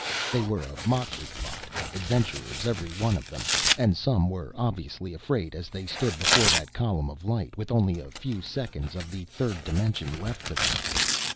They were a motley lot, adventurers every one of them, and some were obviously afraid as they stood before that column of light, with only a few seconds of the third dimension left to them.